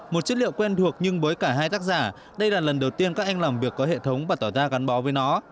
một chất liệu quen thuộc nhưng với cả hai tác giả đây là lần đầu tiên các anh làm việc có hệ thống và tỏ ra gắn bó với nó